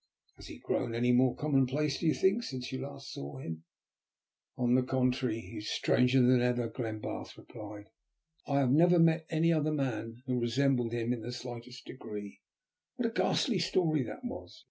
"Has he grown any more commonplace, think you, since you last saw him?" "On the contrary, he is stranger than ever," Glenbarth replied. "I have never met any other man who resembled him in the slightest degree. What a ghastly story that was!